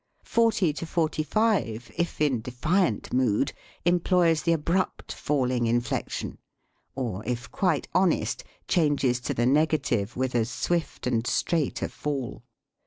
Forty to forty five, if in defiant mood, employs the abrupt fall ing inflection, or, if quite honest, changes to the negative with as swift and straight a fall.